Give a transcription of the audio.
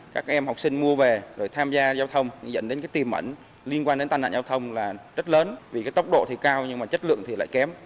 các em học sinh mua về rồi tham gia giao thông dẫn đến cái tìm ẩn liên quan đến tai nạn giao thông là rất lớn vì cái tốc độ thì cao nhưng mà chất lượng thì lại kém